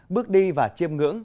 bước đi và chiêm ngưỡng